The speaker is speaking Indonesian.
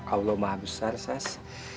allah maha besar sas